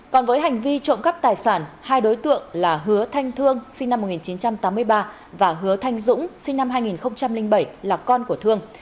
còn với hành vi trộm cắp tài sản hai đối tượng là hứa thanh thương sinh năm một nghìn chín trăm tám mươi ba và hứa thanh dũng sinh năm hai nghìn bảy là con của thương